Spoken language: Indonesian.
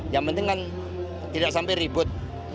yang penting kan tidak sampai ribut